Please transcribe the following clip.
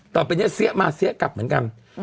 ต่อไปเนี่ยเสี้ยมาเสี้ยกลับเหมือนกัน